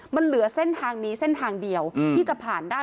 มันเหลือเส้นทางนี้เส้นทางเดียวที่จะผ่านได้